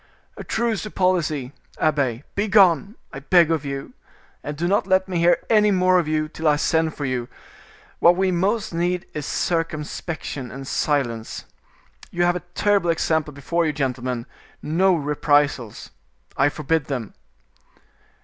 "A truce to policy, abbe; begone, I beg of you, and do not let me hear any more of you till I send for you; what we most need is circumspection and silence. You have a terrible example before you, gentlemen: no reprisals, I forbid them."